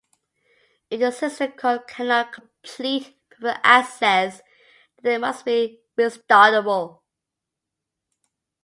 If the system call cannot complete before the access, then it must be "restartable".